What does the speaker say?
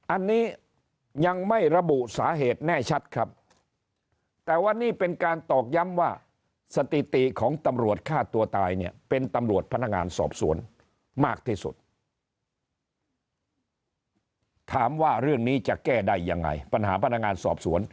อันนี้ยังไม่ระบุสาเหตุแน่ชัดครับ